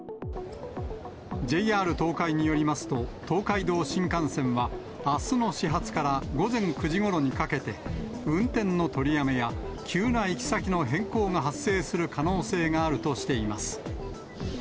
ＪＲ東海によりますと、東海道新幹線は、あすの始発から午前９時ごろにかけて、運転の取りやめや急な行き先の変更が発生する可能性があるとしています。